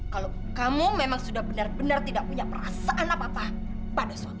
kalau kamu memang sudah benar benar tidak punya perasaan apa apa pada suatu